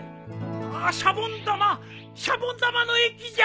ああっシャボン玉シャボン玉の液じゃ。